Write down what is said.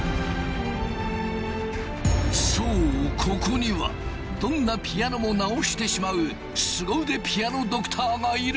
そうここにはどんなピアノも直してしまうすご腕ピアノドクターがいる。